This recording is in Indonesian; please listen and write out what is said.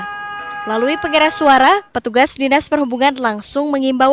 melalui pengeras suara petugas dinas perhubungan langsung mengimbau